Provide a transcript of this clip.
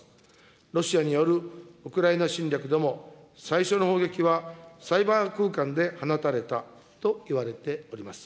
ロシアによるウクライナ侵略でも、最初の砲撃はサイバー空間で放たれたといわれております。